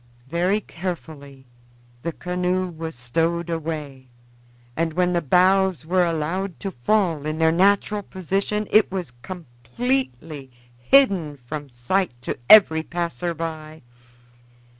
Very carefully the canoe was stowed away, and when the boughs were allowed to fall in their natural position it was completely hidden from sight to every passer by.